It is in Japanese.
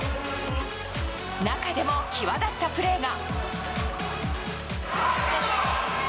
中でも際立ったプレーが。